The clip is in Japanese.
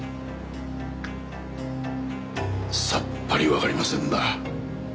さっぱりわかりませんな。